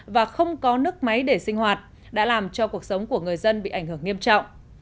và không có nước máy để sinh hoạt đã làm cho cuộc sống của người dân bị ảnh hưởng nghiêm trọng